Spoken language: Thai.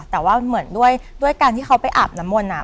แต่ว่าเหมือนด้วยการที่เขาไปอาบน้ำมนต์